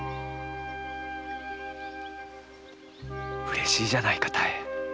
嬉しいじゃないか多江。